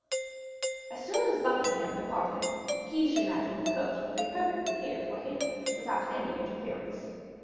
As soon as Buckingham departed, Guiche imagined the coast would be perfectly clear for him without any interference.